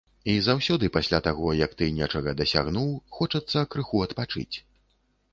І заўсёды пасля таго, як ты нечага дасягнуў, хочацца крыху адпачыць.